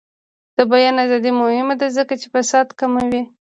د بیان ازادي مهمه ده ځکه چې فساد کموي.